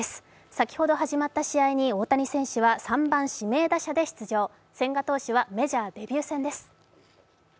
先ほど始まった試合に大谷選手は３番・指名打者で出場、千賀投手はメジャーデビュー戦です。